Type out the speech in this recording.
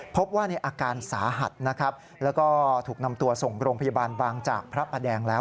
พบว่าในอาการสาหัสนะครับแล้วก็ถูกนำตัวส่งโรงพยาบาลบางจากพระประแดงแล้ว